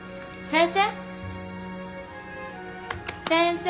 先生。